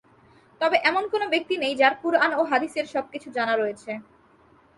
তবে এমন কোনো ব্যক্তি নেই যার কুরআন ও হাদীসের সবকিছু জানা রয়েছে।